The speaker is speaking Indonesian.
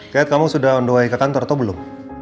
kayak kamu sudah on the way ke kantor atau belum